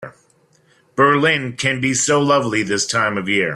Berlin can be so lovely this time of year.